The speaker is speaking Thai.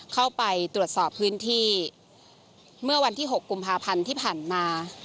เข้าไปตรวจสอบพื้นที่เมื่อวันที่๖กุมภาพันธ์ที่ผ่านมา